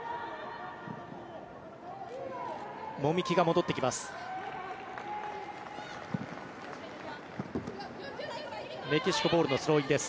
籾木が戻ってきます。